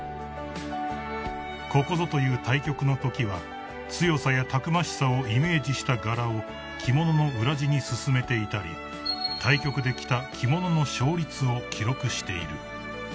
［ここぞという対局のときは強さやたくましさをイメージした柄を着物の裏地に薦めていたり対局で着た］